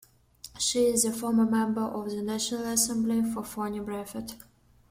She is the former member of the National Assembly for Foni Brefet.